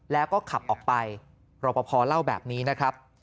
แล้วก็ขับออกไปรอปภเล่าแบบนี้นะครับ